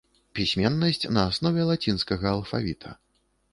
Пісьменнасць на аснове лацінскага алфавіта.